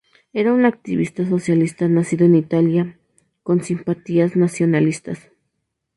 Era un activista socialista nacido en Italia, con simpatías nacionalistas.